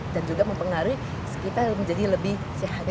dan juga mempengaruhi kita menjadi lebih sehat juga